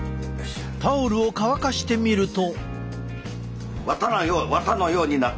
タオルを乾かしてみると。